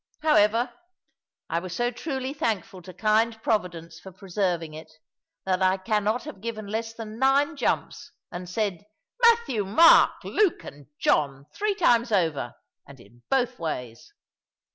However, I was so truly thankful to kind Providence for preserving it, that I cannot have given less than nine jumps, and said, "Matthew, Mark, Luke, and John," three times over, and in both ways.